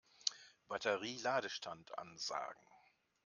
Batterie-Ladestand ansagen.